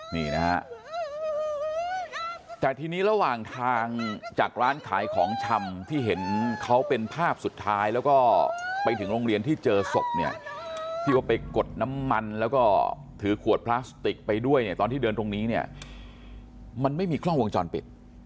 นี่นะฮะแต่ทีนี้ระหว่างทางจากร้านขายของชำที่เห็นเขาเป็นภาพสุดท้ายแล้วก็ไปถึงโรงเรียนที่เจอศพเนี่ยที่ว่าไปกดน้ำมันแล้วก็ถือขวดพลาสติกไปด้วยเนี่ยตอนที่เดินตรงนี้เนี่ยมันไม่มีกล้องวงจรปิด